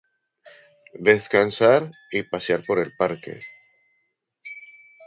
Descansar y pasear por el parque.